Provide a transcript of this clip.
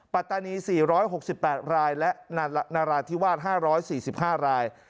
ปัตตานี๔๖๘รายและนราธิวาส๕๔๕ราย